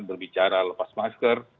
berbicara lepas masker